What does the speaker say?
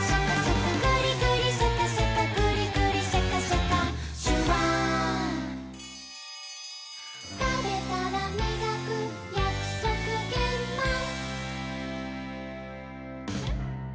「グリグリシャカシャカグリグリシャカシャカ」「シュワー」「たべたらみがくやくそくげんまん」